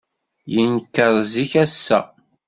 Yenker zik, ass-a.